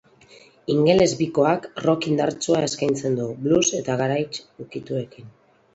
Ingeles bikoak rock indartsua eskaintzen du, blues eta garaje ukituekin.